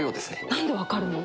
なんで分かるの？